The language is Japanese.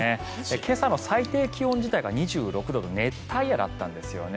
今朝の最低気温自体が２６度で熱帯夜だったんですよね。